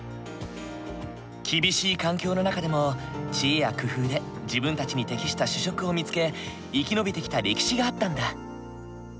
厳しい環境の中でも知恵や工夫で自分たちに適した主食を見つけ生き延びてきた歴史があったんだ。